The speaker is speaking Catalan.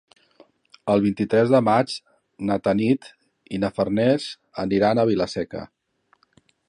El vint-i-tres de maig na Tanit i na Farners aniran a Vila-seca.